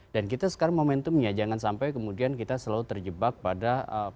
dan kita sekarang momentumnya jangan sampai kemudian kita selalu terjebak pada